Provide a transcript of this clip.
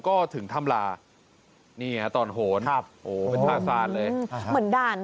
ก็ถึงถ้ำลานี่ไงฮะตอนโหนครับโหเป็นภาษาเลยอ่าฮะเหมือนด่าน